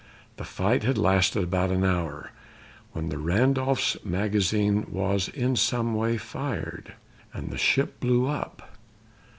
The fight had lasted about an hour when the Randolph's magazine was in some way fired, and the ship blew up.